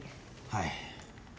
はい。